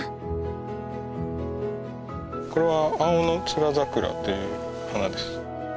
これはアオノツガザクラという花です。